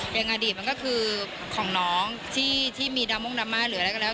อย่างอดีตมันก็คือของน้องที่มีดังโม่งดังมาเหลือแล้วก็แล้ว